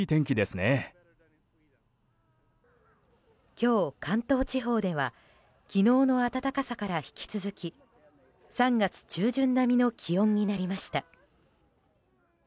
今日、関東地方では昨日の暖かさから引き続き３月中旬並みの気温になりました。